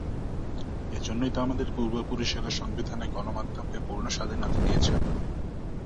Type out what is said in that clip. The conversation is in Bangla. এ জন্যই তো আমাদের পূর্বপুরুষেরা সংবিধানে গণমাধ্যমকে পূর্ণ স্বাধীনতা দিয়েছেন।